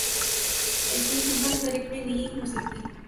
ایسی ہمت ہر ایک میں نہیں ہو سکتی۔